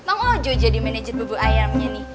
mang ojo jadi manajer bubur ayamnya nih